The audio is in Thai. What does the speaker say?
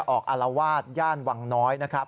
อารวาสย่านวังน้อยนะครับ